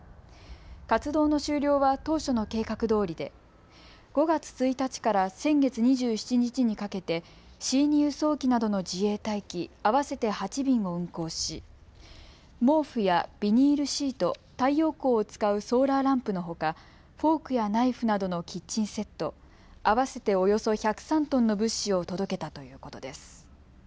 活動の終了は当初の計画どおりで５月１日から先月２７日にかけてＣ２輸送機などの自衛隊機合わせて８便を運航し毛布やビニールシート、太陽光を使うソーラーランプのほかフォークやナイフなどのキッチンセット、合わせておよそ１０３トンの物資を届けたということです。